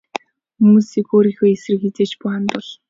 Хүмүүсийг өөрийнхөө эсрэг хэзээ ч бүү хандуул.